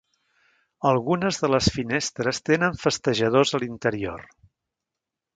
Algunes de les finestres tenen festejadors a l'interior.